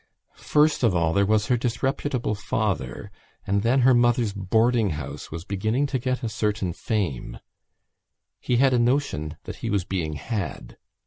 First of all there was her disreputable father and then her mother's boarding house was beginning to get a certain fame. He had a notion that he was being had.